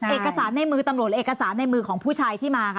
เอกสารในมือตำรวจเอกสารในมือของผู้ชายที่มาค่ะ